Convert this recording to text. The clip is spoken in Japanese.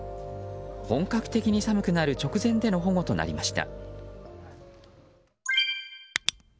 本格的に寒くなる直前での保護となりました。